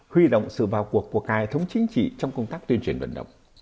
huy động sự vào cuộc của các hệ thống chính trị trong công tác tuyên truyền vận động